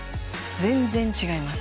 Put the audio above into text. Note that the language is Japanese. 全然違います